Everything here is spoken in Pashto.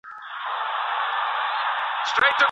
که ماشوم هره ورځ ولیکي نو پرمختګ کوي.